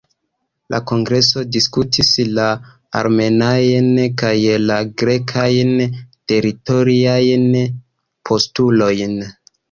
La kongreso diskutis la armenajn kaj la grekajn teritoriajn postulojn.